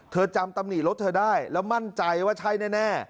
จำตำหนิรถเธอได้แล้วมั่นใจว่าใช่แน่